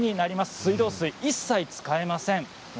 水道水を一切使いません。